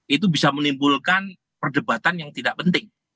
itu bisa menimbulkan perdebatan yang tidak penting